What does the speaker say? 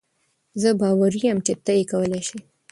زۀ باوري يم چې تۀ یې کولای شې.